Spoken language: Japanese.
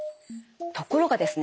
ところがですね